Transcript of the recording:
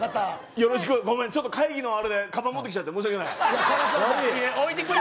よろしく、会議のあれでかばん持ってきちゃって申し訳ない。